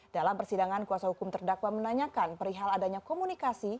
dalam persidangan kuasa hukum terdakwa menanyakan perihal adanya komunikasi